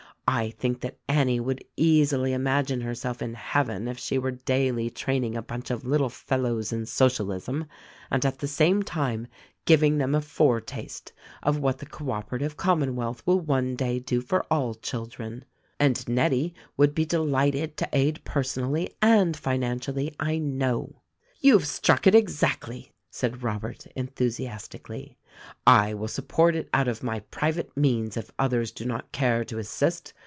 I think that Annie would easily imagine herself in heaven if she were daily training a bunch of little fellows in Socialism, and at the same time giving them a foretaste of what the Co Operative Commonwealth will one day do for all children. And Nettie 286 THE RECORDING ANGEL would be delighted to aid personally and financially, I know." "You have struck it, exactly," said Robert enthusias tically. "I will support it out of my private means if others do not care to assist.